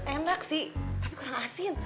enak sih tapi kurang asin